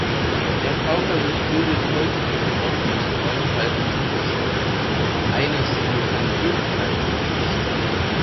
Der Kaukasus bildet heute die Front des neuen kalten Krieges, eines lokalisierten kalten Krieges.